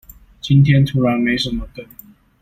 今天突然沒什麼梗